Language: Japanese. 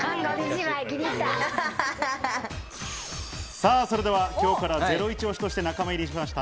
さあ、それでは今日からゼロイチ推しとして仲間入りしました